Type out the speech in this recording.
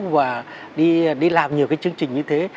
và đi làm nhiều cái chương trình như thế